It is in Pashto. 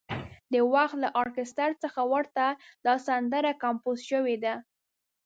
د وخت له ارکستر څخه ورته دا سندره کمپوز شوې ده.